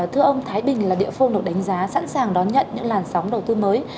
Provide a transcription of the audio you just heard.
thưa ông thái bình là địa phương được đánh giá sẵn sàng đón nhận những làn sóng đầu tư mới